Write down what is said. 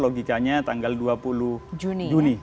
logikanya tanggal dua puluh juni